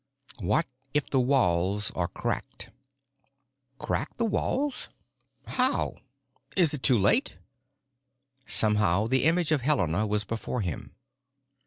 What if the walls are cracked?" "Crack the walls? How? Is it too late?" Somehow the image of Helena was before him.